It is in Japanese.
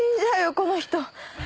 この人。